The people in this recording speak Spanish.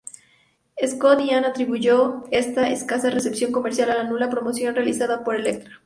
Scott Ian atribuyó esta escasa recepción comercial a la nula promoción realizada por Elektra.